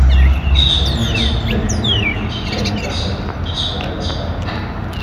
Ce serait une façon d’améliorer le quotidien des personnes qui sont à l’ASPA.